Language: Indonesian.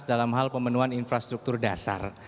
dalam hal pemenuhan infrastruktur dasar